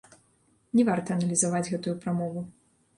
Не варта аналізаваць гэтую прамову.